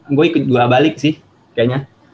gua ikut gua balik sih kayaknya